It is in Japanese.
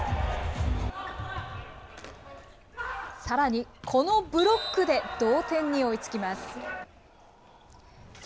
さらに、このブロックで同点に追いつきます。